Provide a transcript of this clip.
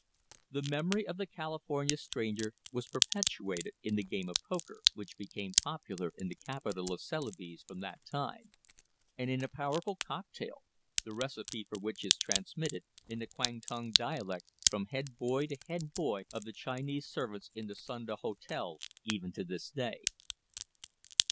The memory of the Californian stranger was perpetuated in the game of poker which became popular in the capital of Celebes from that time and in a powerful cocktail, the recipe for which is transmitted in the Kwang tung dialect from head boy to head boy of the Chinese servants in the Sunda Hotel even to this day.